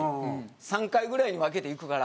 ３回ぐらいに分けて行くから。